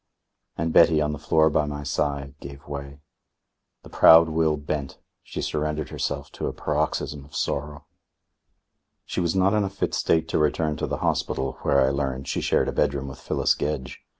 And Betty, on the floor by my side, gave way. The proud will bent. She surrendered herself to a paroxysm of sorrow. She was not in a fit state to return to the hospital, where, I learned, she shared a bedroom with Phyllis Gedge.